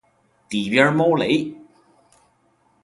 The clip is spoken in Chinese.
底边猫雷！